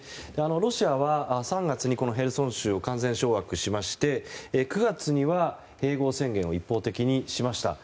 ロシアは、３月にヘルソン州を完全制圧しまして９月には併合宣言を一方的にしました。